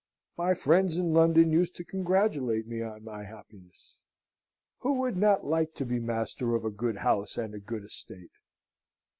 My friends in London used to congratulate me on my happiness. Who would not like to be master of a good house and a good estate?